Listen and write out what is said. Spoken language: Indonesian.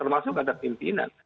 termasuk ada pimpinan